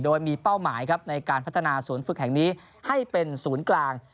โดยมีเป้าหมายครับในการพัฒนาศูนย์ฝึกแห่งนี้ให้เป็นศูนย์กลาง